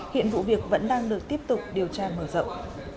hiện vụ việc vẫn đang được tiếp tục điều tra mở rộng